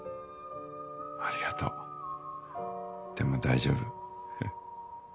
ありがとうでも大丈夫。